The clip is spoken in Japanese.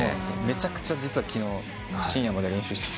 めちゃくちゃ実は昨日深夜まで練習して。